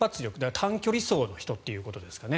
短距離走の人ということですかね。